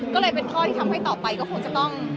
ก็เลยเป็นข้อที่ทำให้ต่อไปก็คงจะต้อง